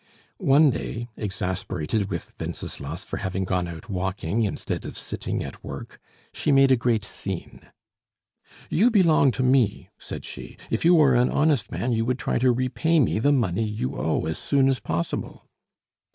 One day, exasperated with Wenceslas for having gone out walking instead of sitting at work, she made a great scene. "You belong to me," said she. "If you were an honest man, you would try to repay me the money you owe as soon as possible."